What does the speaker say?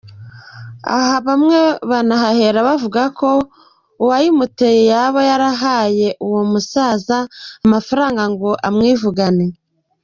Aha bamwe banahahera bavuga ko uwayimuteye yaba yarahaye uwo musaza amafaranga ngo amwivugane.